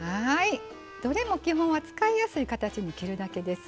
どれも基本は使いやすい形に切るだけです。